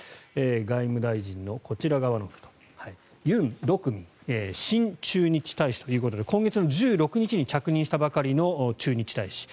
外務大臣のこちら側の人ユン・ドクミン新駐日大使ということで今月１６日に着任したばかりの駐日大使